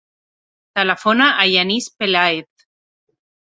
Telefona al Yanis Pelaez.